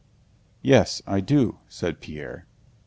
"Yes, I do," said Pierre.